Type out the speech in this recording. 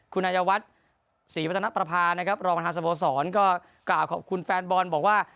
คุณอายวัฒน์ศรีวัฒนประพานะครับรองประธานสโมสรก็กล่าวขอบคุณแฟนบอลบอกว่า